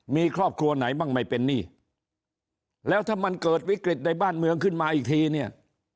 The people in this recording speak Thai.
มีครอบครัวไหนบ้างไม่เป็นหนี้แล้วถ้ามันเกิดวิกฤตในบ้านเมืองขึ้นมาอีกทีเนี่ย